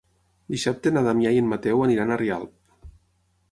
Dissabte na Damià i en Mateu aniran a Rialp.